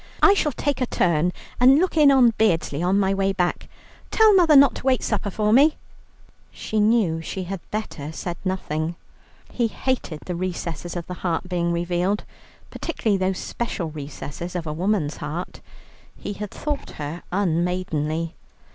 I shall take a turn and look in on Beardsley on my way back. Tell mother not to wait supper for me." She knew she had better have said nothing. He hated the recesses of the heart being revealed, particularly those special recesses of a woman's heart; he had thought her unmaidenly.